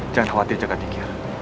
jangan khawatir cekat ikir